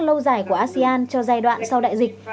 lâu dài của asean cho giai đoạn sau đại dịch